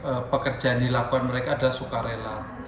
karena pekerjaan dilakukan mereka adalah sukarela